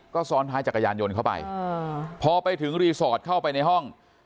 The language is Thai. ก็ซ้อนท้ายจักรยานยนต์เข้าไปพอไปถึงรีสอร์ทเข้าไปในห้อง